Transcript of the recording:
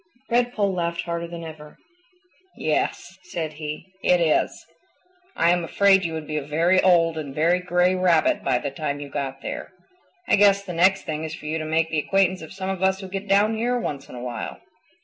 Redpoll laughed harder than ever. "Yes," said he, "it is. I am afraid you would be a very old and very gray Rabbit by the time you got there. I guess the next thing is for you to make the acquaintance of some of us who get down here once in awhile."